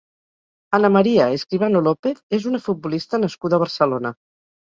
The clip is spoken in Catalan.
Ana María Escribano López és una futbolista nascuda a Barcelona.